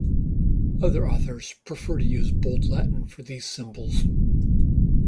Other authors prefer to use bold Latin for these symbols.